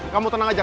kamu tenang aja